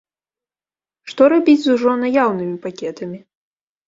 Што рабіць з ужо наяўнымі пакетамі?